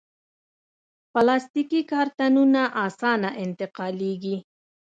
پلاستيکي کارتنونه اسانه انتقالېږي.